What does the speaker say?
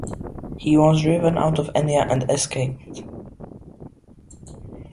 He was driven out of Enya and escaped.